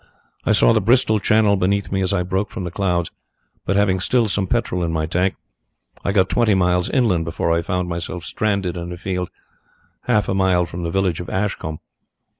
I saw the Bristol Channel beneath me as I broke from the clouds, but, having still some petrol in my tank, I got twenty miles inland before I found myself stranded in a field half a mile from the village of Ashcombe.